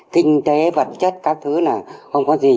kinh tế vật chất các thứ là không có gì